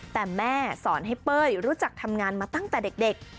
แต่แม่สอนให้เป้ยรู้จักทำงานมาตั้งแต่เด็ก